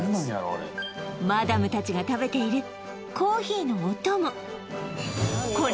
あれマダム達が食べているコーヒーのお供